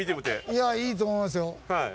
いやいいと思いますよ。